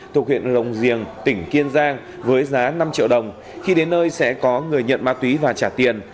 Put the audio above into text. thuộc huyện rồng riềng tỉnh kiên giang với giá năm triệu đồng khi đến nơi sẽ có người nhận ma túy và trả tiền